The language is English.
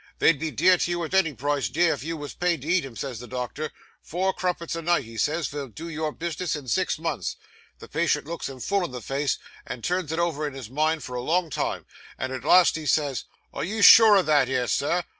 "They'd be dear to you, at any price; dear if you wos paid to eat 'em," says the doctor. "Four crumpets a night," he says, "vill do your business in six months!" The patient looks him full in the face, and turns it over in his mind for a long time, and at last he says, "Are you sure o' that 'ere, Sir?"